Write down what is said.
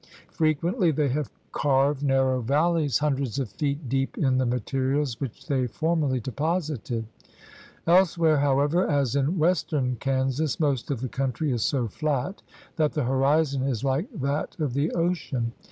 Frequently they have carved narrow valleys himdreds of feet deep in the materials which they formerly deposited. Elsewhere, however, as in western Kansas, most of the country is so flat that the horizon is like that of the ocean.